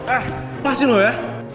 eh pasin lo ya